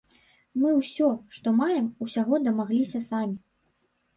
Мы ўсё, што маем, усяго дамагліся самі.